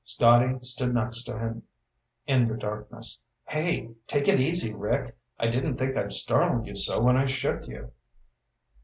Scotty stood next to him in the darkness. "Hey, take it easy, Rick! I didn't think I'd startle you so when I shook you."